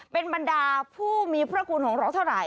เป็นบรรดาผู้มีพระคุณของเราเท่าไหร